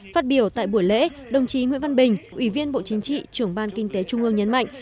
phát biểu tại buổi lễ đồng chí nguyễn văn bình ủy viên bộ chính trị trưởng ban kinh tế trung ương nhấn mạnh